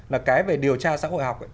là cái về điều tra xã hội học